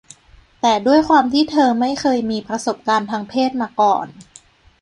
แต่ด้วยความที่เธอไม่เคยมีประสบการณ์ทางเพศมาก่อน